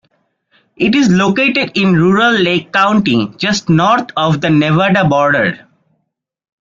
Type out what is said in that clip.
It is located in rural Lake County, just north of the Nevada border.